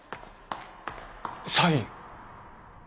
サイン。